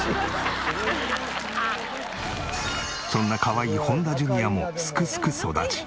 そんなかわいい本田ジュニアもすくすく育ち